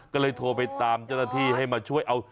ก็เลยโทรไปตามเจ้าหน้าที่ให้มาช่วยเอา